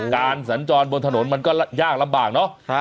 สัญจรบนถนนมันก็ยากลำบากเนอะ